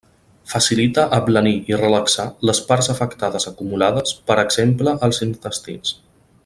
Facilita ablanir i relaxar les parts afectades acumulades per exemple als intestins.